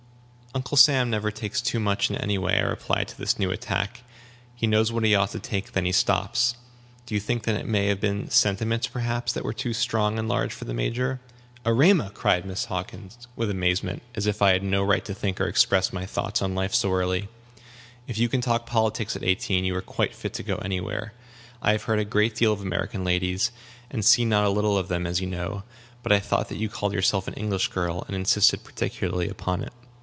"Uncle Sam never takes too much in any way," I replied to this new attack; "he knows what he ought to take, and then he stops. Do you think that it may have been his 'sentiments,' perhaps, that were too strong and large for the Major?" "Erema!" cried Mrs. Hockin, with amazement, as if I had no right to think or express my thoughts on life so early; "if you can talk politics at eighteen, you are quite fit to go any where. I have heard a great deal of American ladies, and seen not a little of them, as you know. But I thought that you called yourself an English girl, and insisted particularly upon it."